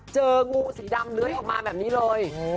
เจองูสีดำเลื้อยออกมาแบบนี้เลย